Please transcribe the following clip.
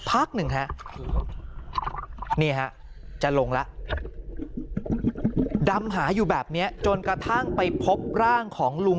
พักนึงครับจะลงละดำหาอยู่แบบนี้จนกระทั่งไปพบร่างของลุง